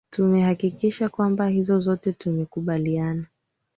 tumehakikisha kwamba hizo zote tumekubaliana